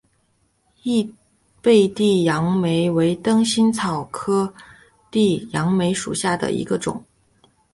异被地杨梅为灯心草科地杨梅属下的一个种。